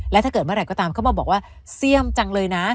และถ้าเกิดเมื่อไหร่ก็ตามเขามาบอกว่าเสี่ยมจังเลยนะ